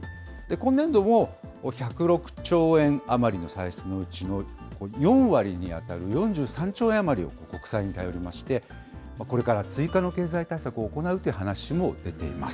今年度も１０６兆円余りの歳出のうち、４割に当たる、４３兆円余りを国債に頼りまして、これから追加の経済対策を行うという話も出ています。